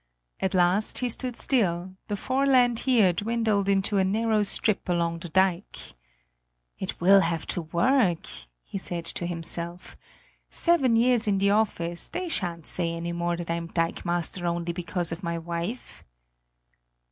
At last he stood still: the foreland here dwindled into a narrow strip along the dike. "It will have to work!" he said to himself. "Seven years in the office they shan't say any more that I am dikemaster only because of my wife."